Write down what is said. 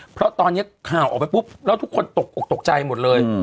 เพราะตอนนี้ข่าวออกไปปุ๊บแล้วทุกคนตกออกตกใจหมดเลย